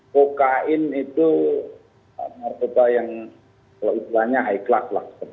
kokain itu narkoba yang kalau usulannya high class lah